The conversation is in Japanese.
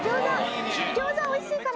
餃子美味しいから。